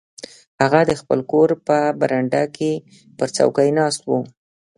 هغه د خپل کور په برنډه کې پر څوکۍ ناست و.